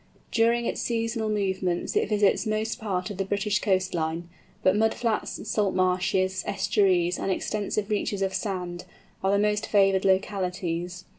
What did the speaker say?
During its seasonal movements it visits most parts of the British coast line, but mud flats, salt marshes, estuaries, and extensive reaches of sand, are the most favoured localities.